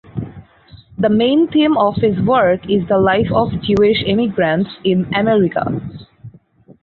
The main theme of his work is the life of Jewish emigrants in America.